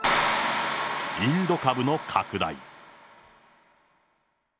インド株の拡大。